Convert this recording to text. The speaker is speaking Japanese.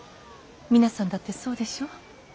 皆さんだってそうでしょう。